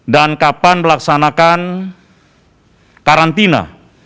dan kapan melaksanakan karantina